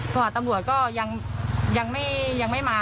พอหาตำรวจก็ยังไม่มา